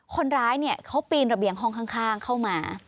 คนร้ายเนี่ยเขาปีนระเบียงห้องข้างเข้ามา